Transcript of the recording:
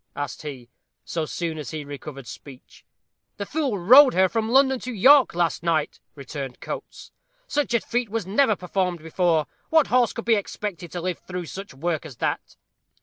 asked he, so soon as he recovered speech. "The fool rode her from London to York last night," returned Coates; "such a feat was never performed before. What horse could be expected to live through such work as that?"